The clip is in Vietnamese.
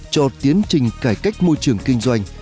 cho tiến trình cải cách môi trường kinh doanh